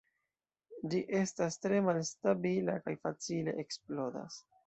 Ĝi estas tre malstabila kaj facile eksplodas.